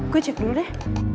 gue cek dulu deh